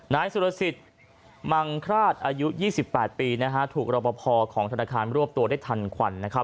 นายสุรสิทธิ์มังคราชอายุ๒๘ปีถูกรบพอของธนาคารรวบตัวได้ทันควันนะครับ